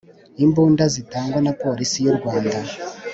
imbunda zitangwa na Polisi y u Rwanda